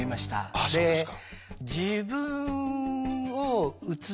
あっそうですか。